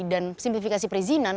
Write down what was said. dan simplifikasi perizinan